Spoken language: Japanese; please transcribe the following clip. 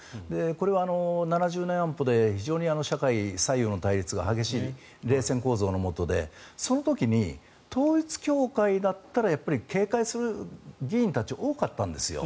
これは７０年安保で非常に左右の対立が激しい冷戦構造のもとでその時に統一教会だったら警戒する議員たちが多かったんですよ。